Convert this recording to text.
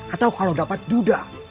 atau kalau dapat duda